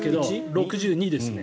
６２ですね。